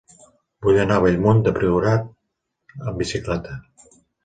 Vull anar a Bellmunt del Priorat amb bicicleta.